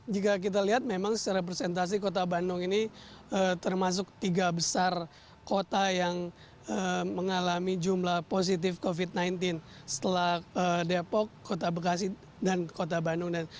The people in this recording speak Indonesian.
jalan asia afrika